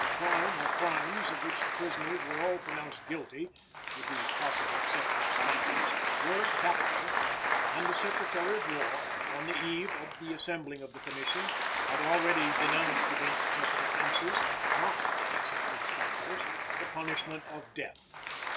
The crime or crimes of which the prisoners were all pronounced guilty (with the possible exception of Spangler's) were capital, and the Secretary of War, on the eve of the assembling of the Commission, had already denounced against such offenses (not excepting Spangler's) the punishment of death.